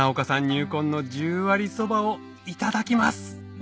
入魂の十割そばをいただきます